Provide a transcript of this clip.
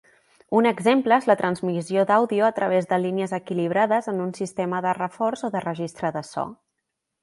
Un exemple és la transmissió d'àudio a través de línies equilibrades en un sistema de reforç o de registre de so.